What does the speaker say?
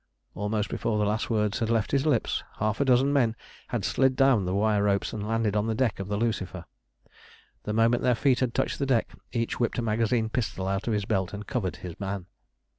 Almost before the last words had left his lips half a dozen men had slid down the wire ropes and landed on the deck of the Lucifer. The moment their feet had touched the deck each whipped a magazine pistol out of his belt and covered his man.